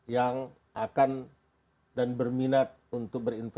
yang akan dan berminat untuk berdiri di zona dua ini ya